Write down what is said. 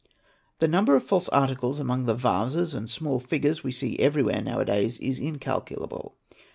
The number of false articles among the vases and small figures we see everywhere now a days is incalculable.